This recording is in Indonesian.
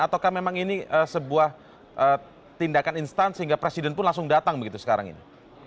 ataukah memang ini sebuah tindakan instan sehingga presiden pun langsung datang begitu sekarang ini